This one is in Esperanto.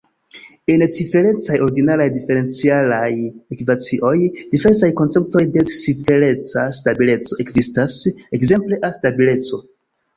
En ciferecaj ordinaraj diferencialaj ekvacioj, diversaj konceptoj de cifereca stabileco ekzistas, ekzemple A-stabileco.